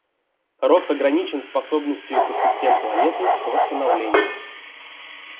Рост ограничен способностью экосистем планеты к восстановлению.